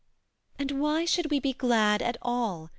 "And why should we be glad at all?